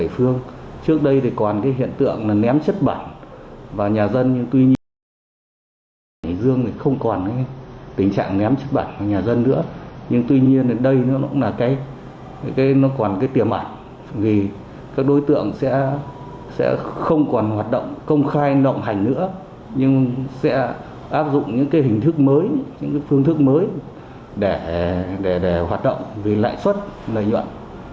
không khai nộng hành nữa nhưng sẽ áp dụng những hình thức mới những phương thức mới để hoạt động về lãi suất lợi nhuận